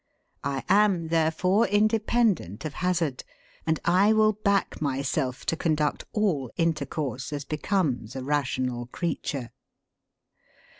I am, therefore, independent of hazard, and I will back myself to conduct all intercourse as becomes a rational creature.'